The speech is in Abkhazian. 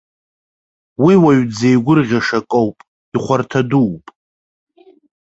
Уи уаҩ дзеигәырӷьаша акоуп, ихәарҭа дууп.